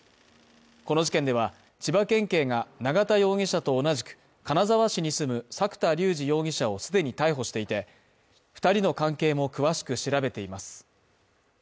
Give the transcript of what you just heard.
この事件では、千葉県警が永田容疑者と同じく金沢市に住む作田竜二容疑者を既に逮捕していて２人の関係も詳しく調べています。